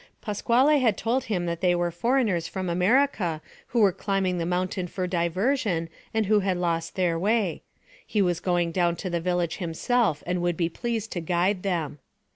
Pasquale had told him that they were foreigners from America who were climbing the mountain for diversion and who had lost their way. He was going down to the village himself and would be pleased to guide them.